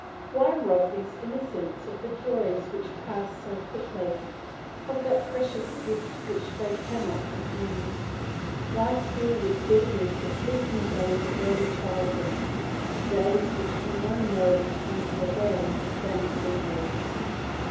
Why rob these innocents of the joys which pass so quickly, of that precious gift which they cannot abuse? Why fill with bitterness the fleeting days of early childhood, days which will no more return for them than for you?